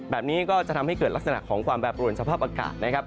แบบนี้ก็จะทำให้เกิดลักษณะของความแปรปรวนสภาพอากาศนะครับ